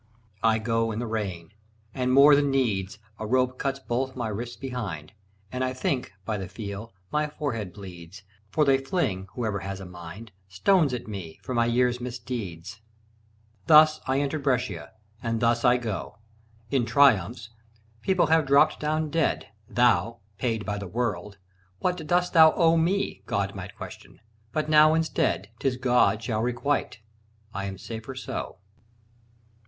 I go in the rain, and, more than needs, A rope cuts both my wrists behind; And I think, by the feel, my forehead bleeds, For they fling, whoever has a mind, Stones at me for my year's misdeeds. Thus I entered Brescia, and thus I go! In triumphs, people have dropped down dead. "Thou, paid by the World, what dost thou owe Me?" God might question: but now instead, 'Tis God shall requite! I am safer so.